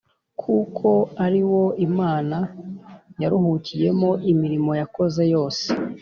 kuko ari wo Imana yaruhukiyemo imirimo yakoze yose